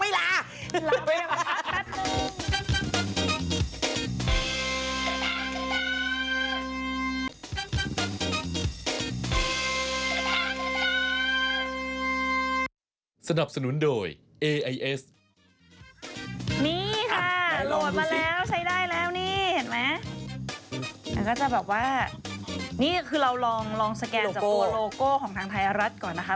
นี่ค่ะโหลดมาแล้วใช้ได้แล้วนี่เห็นไหมมันก็จะแบบว่านี่คือเราลองสแกนจากตัวโลโก้ของทางไทยรัฐก่อนนะคะ